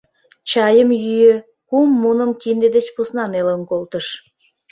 Чайым йӱӧ, кум муным кинде деч посна нелын колтыш.